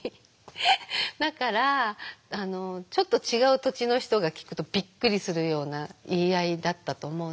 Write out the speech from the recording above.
だからちょっと違う土地の人が聞くとびっくりするような言い合いだったと思うんですけど。